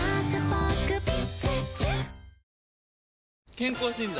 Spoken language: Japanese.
健康診断？